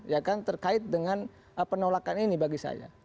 ya kan terkait dengan penolakan ini bagi saya